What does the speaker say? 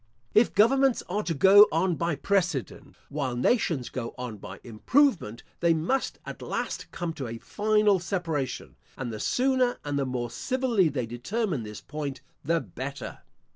If governments are to go on by precedent, while nations go on by improvement, they must at last come to a final separation; and the sooner, and the more civilly they determine this point, the better.